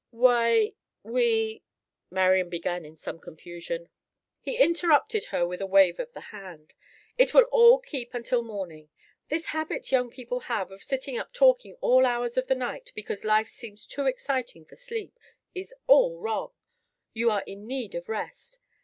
"Why—we—" Marian began in some confusion. He interrupted her with a wave of the hand. "It will all keep until morning. This habit young people have, of sitting up talking all hours of the night because life seems too exciting for sleep, is all wrong. You are in need of rest.